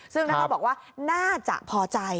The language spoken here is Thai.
ซึ่งนักข่าวบอกว่าน่าจะพอใจ